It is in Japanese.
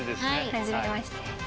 はじめまして。